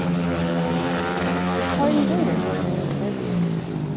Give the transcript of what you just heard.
His party's leader was Lord Derby.